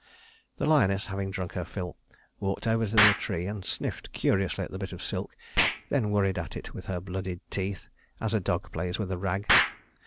The lioness having drunk her fill walked over to the tree and sniffed curiously at the bit of silk, then worried at it with her bloody teeth, as a dog plays with a rag.